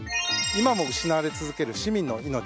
今も失われ続ける市民の命。